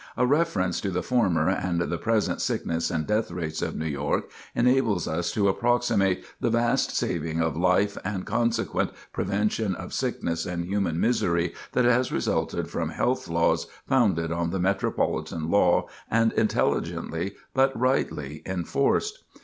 A reference to the former and present sickness and death rates of New York enables us to approximate the vast saving of life and consequent prevention of sickness and human misery that has resulted from health laws founded on the Metropolitan Law and intelligently but rightly enforced.